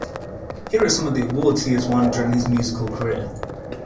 Here are some of the awards he has won during his musical career.